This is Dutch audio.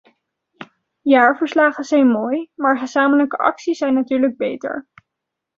Jaarverslagen zijn mooi, maar gezamenlijke acties zijn natuurlijk beter.